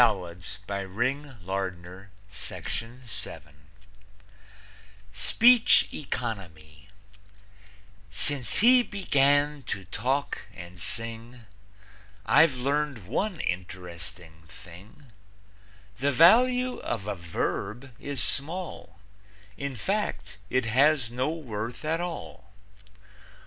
SPEECH ECONOMY Since he began to talk and sing, I've learned one interesting thing The value of a verb is small; In fact, it has no worth at all.